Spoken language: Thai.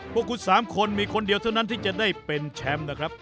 พวกคุณ๓คนมีคนเดียวเท่านั้นที่จะได้เป็นแชมป์นะครับ